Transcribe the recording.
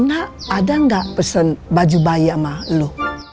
tidak ada gak pesen baju bayi emak lu